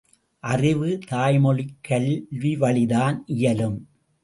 அறிவு, தாய்மொழிக் கல்விவழிதான் இயலும்!